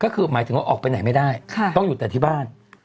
ก็คือหมายถึงว่าออกไปไหนไม่ได้ต้องอยู่แต่ที่บ้าน